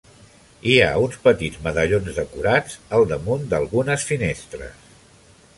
Hi ha uns petits medallons decorats, al damunt d'algunes finestres.